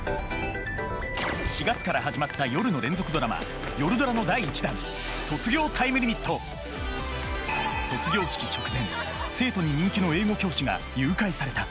４月から始まった夜の連続ドラマ「夜ドラ」の第１弾卒業式直前生徒に人気の英語教師が誘拐された。